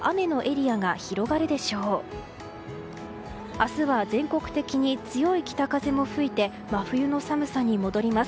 明日は全国的に強い北風も吹いて真冬の寒さに戻ります。